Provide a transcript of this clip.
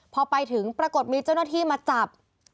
พอไปถึงปรากฏมีเจ้าหน้าที่มาจับ